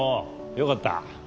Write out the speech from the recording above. よかった。